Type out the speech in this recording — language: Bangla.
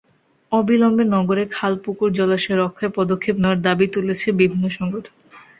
অবিলম্বে নগরের খাল, পুকুর, জলাশয় রক্ষায় পদক্ষেপ নেওয়ার দাবি তুলেছে বিভিন্ন সংগঠন।